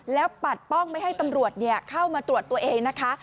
แล้วปัดป้องไม่ให้ตำรวจเข้ามาตรวจตัวเองนะคะ